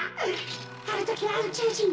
あるときはうちゅうじん。